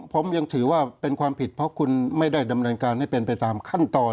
ผมยังถือว่าเป็นความผิดเพราะคุณไม่ได้ดำเนินการให้เป็นไปตามขั้นตอน